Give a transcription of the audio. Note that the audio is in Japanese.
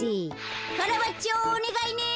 カラバッチョおねがいね。